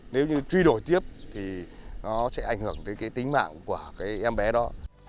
nếu như truy đổi tiếp thì nó sẽ ảnh hưởng tới tính mạng của em bé đó